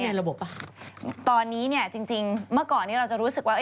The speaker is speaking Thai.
ในระบบป่ะตอนนี้เนี่ยจริงจริงเมื่อก่อนนี้เราจะรู้สึกว่า